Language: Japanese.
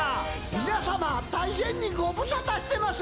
皆様大変にご無沙汰してます！